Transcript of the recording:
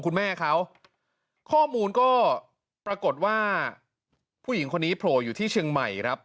คุณแม่เขาข้อมูลก็ปรากฏว่าผู้หญิงคนนี้โผล่อยู่ที่เชียงใหม่ครับ